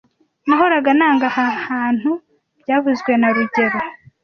Nahoraga nanga aha hantu byavuzwe na rugero